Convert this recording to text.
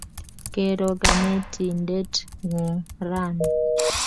Kero kanetindet ng'ung' rani?